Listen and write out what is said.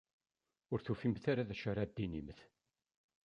Ur tufimt ara d acu ara d-tinimt?